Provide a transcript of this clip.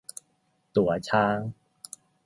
ตั๋วช้าง